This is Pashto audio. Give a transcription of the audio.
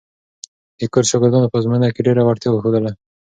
د کورس شاګردانو په ازموینو کې ډېره وړتیا وښودله.